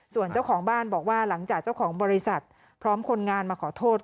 ส่วนเจ้าของบ้านบอกว่าหลังจากเจ้าของบริษัทพร้อมคนงานมาขอโทษ